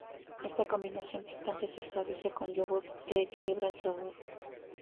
Esta combinación picante se suaviza con yogur, que equilibra el sabor.